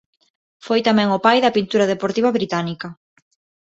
Foi tamén o pai da pintura deportiva británica.